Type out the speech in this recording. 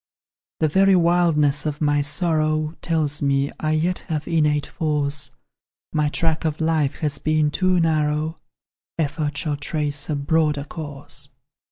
"The very wildness of my sorrow Tells me I yet have innate force; My track of life has been too narrow, Effort shall trace a broader course.